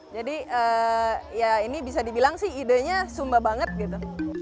jadi ya ini bisa dibilang sih ide nya sumba banget gitu